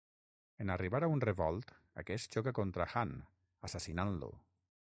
En arribar a un revolt, aquest xoca contra Han, assassinant-lo.